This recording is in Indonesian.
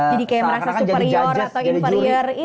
jadi kayak merasa superior atau inferior